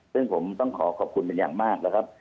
ซึ่งผมต้องขอขอบคุณเป็นอย่างมากนะครับ